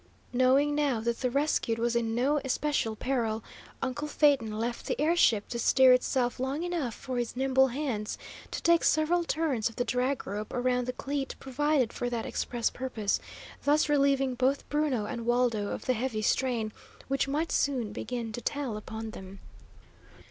Knowing now that the rescued was in no especial peril, uncle Phaeton left the air ship to steer itself long enough for his nimble hands to take several turns of the drag rope around the cleat provided for that express purpose, thus relieving both Bruno and Waldo of the heavy strain, which might soon begin to tell upon them.